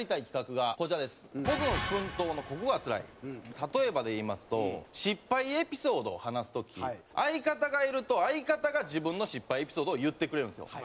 例えばで言いますと失敗エピソードを話す時相方がいると相方が自分の失敗エピソードを言ってくれるんですよ。